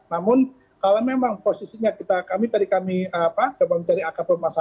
namun kalau memang posisinya kita kami tadi kami apa kami cari akar permasalahannya